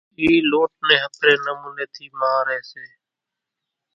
اِي لوٽ نين ۿڦري نموني ٿي مانۿري سي